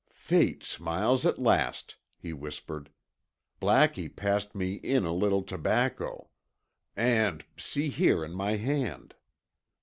"Fate smiles at last," he whispered. "Blackie passed me in a little tobacco. And—see, here in my hand."